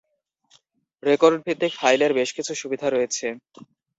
Record ভিত্তিক ফাইলের বেশ কিছু সুবিধা রয়েছে।